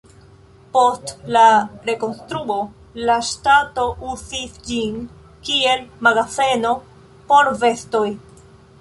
Post la rekonstruo la ŝtato uzis ĝin, kiel magazeno por vestoj.